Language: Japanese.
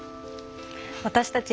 私たち